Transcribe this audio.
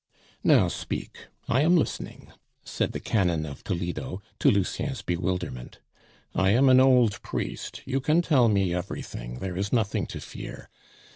"Now speak; I am listening," said the canon of Toledo, to Lucien's bewilderment. "I am an old priest; you can tell me everything, there is nothing to fear.